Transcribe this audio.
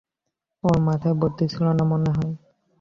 ওর মাথায় বুদ্ধি ছিল না মনে হয়।